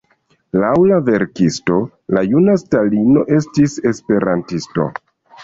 Laŭ la verkisto, la juna Stalino estis esperantisto.